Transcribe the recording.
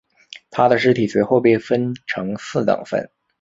他的尸体随后被分成四等分。